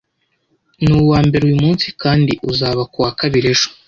Nuwambere uyumunsi kandi uzaba kuwa kabiri ejo.